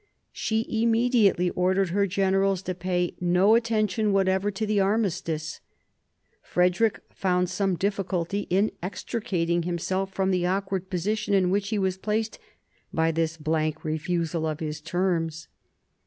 She immediately ordered her generals to pay no attention whatever to the armistice. Frederick found some difficulty in extricat ing himself from the awkward position in which he was placed by this blank refusal of his terms.